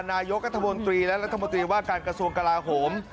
นายกรัฐมนตรีและรัฐมนตรีว่าการกระทรวงกลาโหม